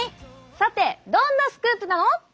さてどんなスクープなの？